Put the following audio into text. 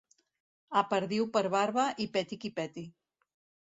A perdiu per barba i peti qui peti.